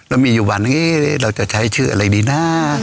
แล้วมีอยู่วันหนึ่งเราจะใช้ชื่ออะไรดีนะ